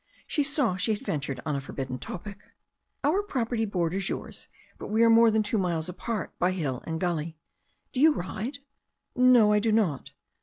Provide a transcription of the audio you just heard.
She saw she had ventured on a forbidden topic. "Our property borders yours, but we are more than two miles apart by hill and gully. Do you ride?" "No, I do not."